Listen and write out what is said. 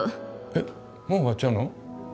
えっもう終わっちゃうの？